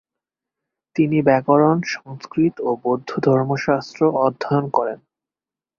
তিনি ব্যাকরণ, সংস্কৃত ও বৌদ্ধধর্মশাস্ত্র অধ্যয়ন করেন।